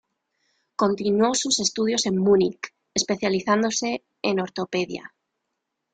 Continuó sus estudios en Múnich, especializándose en ortopedia.